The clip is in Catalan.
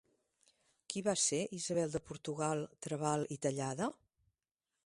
Qui va ser Isabel de Portugal Trabal i Tallada?